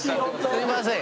すいません！